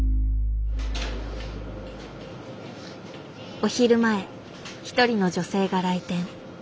お昼前一人の女性が来店。